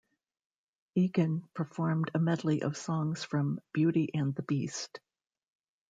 Egan performed a medley of songs from "Beauty and the Beast".